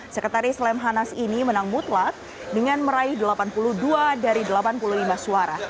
sekretaris lemhanas ini menang mutlak dengan meraih delapan puluh dua dari delapan puluh lima suara